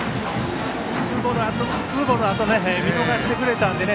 ツーボールのあと見逃してくれたんでね